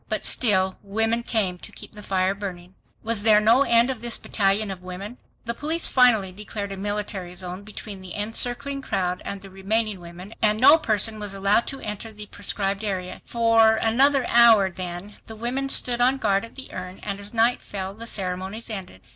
But still women came to keep the fire burning. Was there no end of this battalion of women? The police finally declared a "military zone" between the encircling crowd and the remaining women, and no person was allowed to enter the proscribed area. For, another hour, then, the women stood on guard at the urn, and as night fell, the ceremonies ended.